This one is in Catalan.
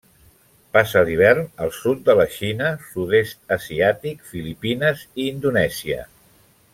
Passa l'hivern al sud de la Xina, Sud-est asiàtic, Filipines i Indonèsia.